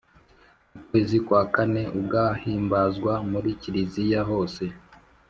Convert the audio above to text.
mu kwezi kwa kane ugahimbazwa muri kiliziya hose